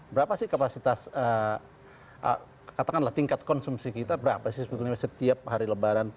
berapa sih kapasitas katakanlah tingkat konsumsi kita berapa sih sebetulnya setiap hari lebaran